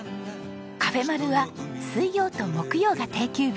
カフェまる。は水曜と木曜が定休日。